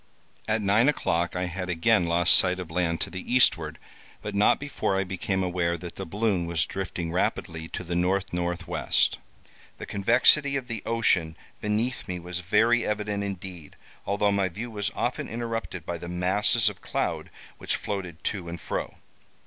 At nine o'clock I had again lost sight of land to the eastward, but not before I became aware that the balloon was drifting rapidly to the N. N. W. The convexity of the ocean beneath me was very evident indeed, although my view was often interrupted by the masses of cloud which floated to and fro.